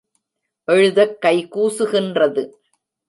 எழுதக் கை கூசுகின்றது.